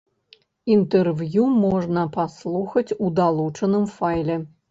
Інтэрв'ю можна паслухаць у далучаным файле.